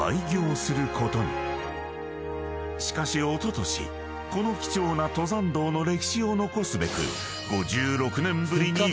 ［しかしおととしこの貴重な登山道の歴史を残すべく］